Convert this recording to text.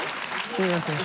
すいません。